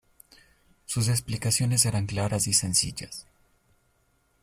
Sus explicaciones eran claras y sencillas.